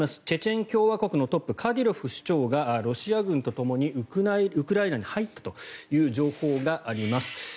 チェチェン共和国のトップカディロフ首長がロシア軍とともにウクライナに入ったという情報があります。